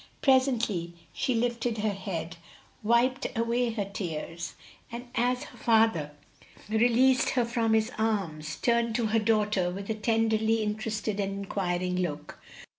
'" Presently she lifted her head, wiped away her tears, and as her father released her from his arms, turned to her daughter with a tenderly interested and inquiring look.